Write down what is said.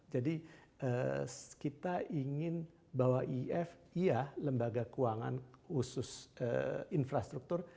jadi kita ingin bahwa iif iya lembaga keuangan khusus infrastruktur